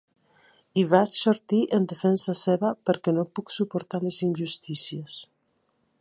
I vaig sortir en defensa seva perquè no puc suportar les injustícies.